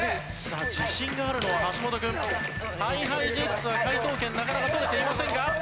さあ自信があるのは橋本君。ＨｉＨｉＪｅｔｓは解答権なかなか取れていませんが。